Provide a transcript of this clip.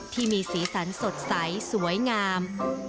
ที่มีสีสันสดใสสวยงาม